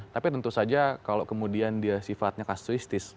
tapi tentu saja kalau kemudian dia sifatnya kasuistis